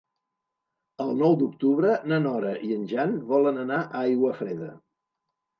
El nou d'octubre na Nora i en Jan volen anar a Aiguafreda.